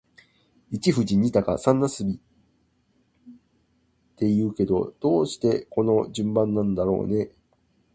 一富士、二鷹、三茄子って言うけど、どうしてこの順番なんだろうね。